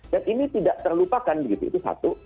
dan ini tidak terlupakan itu satu